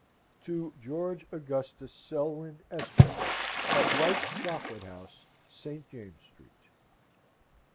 "To George Augustus Selwyn, Esq., at White's Chocolate House, St. James's Street."